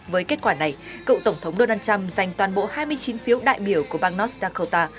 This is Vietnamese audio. với kết quả này cựu tổng thống donald trump giành toàn bộ hai mươi chín phiếu đại biểu của bang north dakota